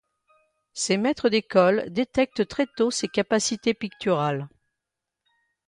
Ses maître d'écoles détectent très tôt ses capacités picturales.